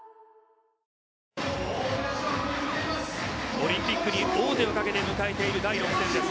オリンピックに王手をかけて迎えている第６戦です。